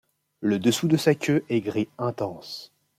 Le dessous de sa queue est gris intense.